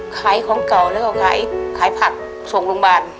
ขายของเก่าแล้วก็ขายผักส่งโรงพยาบาล